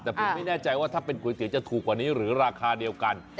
แต่ผมไม่แน่ใจว่าถ้าเป็นก๋วยเตี๋ยวจะถูกกว่านี้หรือราคาเดียวกัน